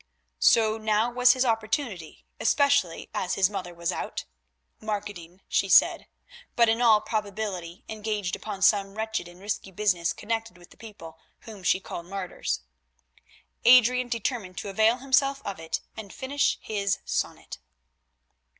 So now was his opportunity, especially as his mother was out—marketing, she said—but in all probability engaged upon some wretched and risky business connected with the people whom she called martyrs. Adrian determined to avail himself of it and finish his sonnet.